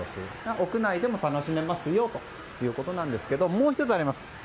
屋内でも楽しめますよということなんですがもう１つあります。